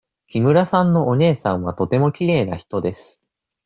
木村さんのお姉さんはとてもきれいな人です。